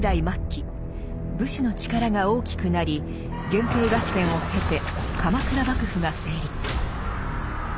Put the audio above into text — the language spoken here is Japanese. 末期武士の力が大きくなり源平合戦を経て鎌倉幕府が成立。